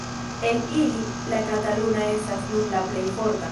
El ili, la kataluna estas nun la plej forta.